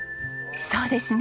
そうですね。